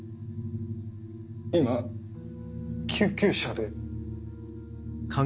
今救急車で。